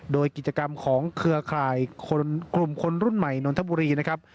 โดยกิจกรรมของเครือข่ายคนกลุ่มคนรุ่นใหม่นนทบุรีนะครับ